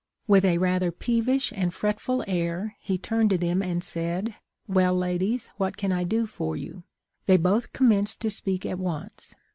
With a rather peevish and fretful air he turned to them and said, 'Well, ladies, what can I do for you ?' They both commenced to speak at once.